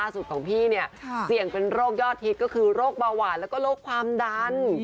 เสี่ยงเป็นโรคยอดฮิตก็คือโรคเบาหวานแล้วก็โรคความดัน